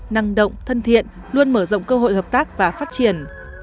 năng động thân thiện luôn mở rộng cơ hội hợp tác và phát triển